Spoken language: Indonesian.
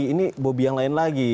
ini bobi yang lain lagi